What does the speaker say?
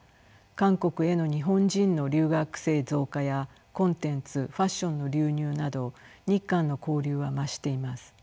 韓国への日本人の留学生増加やコンテンツファッションの流入など日韓の交流は増しています。